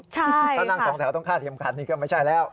ถ้านั่ง๒แถวต้องฆ่าเกมขัดนี่ก็ไม่ใช่แล้ว